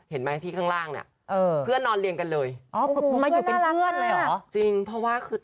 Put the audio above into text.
เห็นไหมที่ข้างล่างเพื่อนนอนเรียงกันเลย